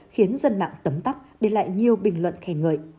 khiến dân mạng tấm tóc để lại nhiều bình luận khen ngợi